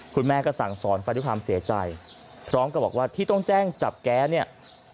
คุณแม่ก็สั่งสอนไปด้วยความเสียใจพร้อมกับบอกว่าที่ต้องแจ้งจับแก๊สเนี่ย